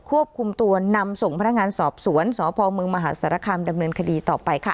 ควบคุมตัวนำส่งพนักงานสอบสวนสพเมืองมหาสารคามดำเนินคดีต่อไปค่ะ